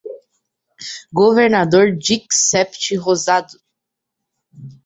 Governador Dix-Sept Rosado